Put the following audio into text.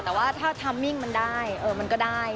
แต่ว่าถ้าทำมิ่งมันได้มันก็ได้